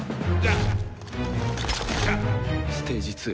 ステージ２。